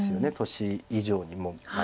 年以上にもう。